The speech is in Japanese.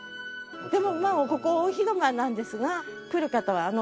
でもここ大広間なんですが来る方は。